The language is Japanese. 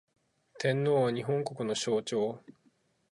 天皇は、日本国の象徴